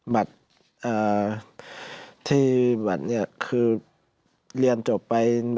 บัตรที่บัตรเนี่ยคือเรียนจบไป